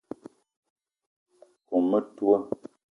Kome metoua